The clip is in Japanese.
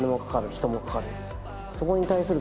人もかかる。